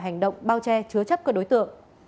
hành động bao che chứa chấp các đối tượng